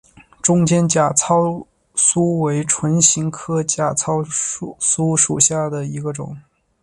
中间假糙苏为唇形科假糙苏属下的一个种。